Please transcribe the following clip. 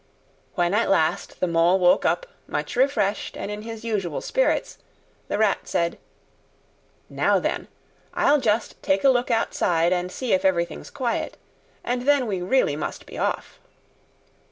When at last the Mole woke up, much refreshed and in his usual spirits, the Rat said, "Now then! I'll just take a look outside and see if everything's quiet, and then we really must be off."